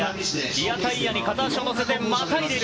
後のタイヤ、リアタイヤに片足を乗せてまたいでいる。